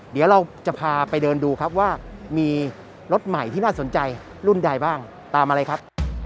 เดี๋ยวเราจะพาไปเดินดูครับว่ามีรถใหม่ที่น่าสนใจรุ่นใดบ้างตามมาเลยครับ